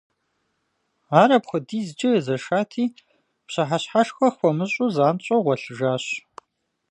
Ар апхуэдизкӀэ езэшати, пщыхьэщхьэшхэ хуэмыщӀу, занщӀэу гъуэлъыжащ.